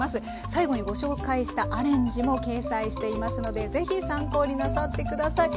最後にご紹介したアレンジも掲載していますのでぜひ参考になさってください。